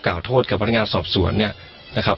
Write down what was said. โทษกับพนักงานสอบสวนเนี่ยนะครับ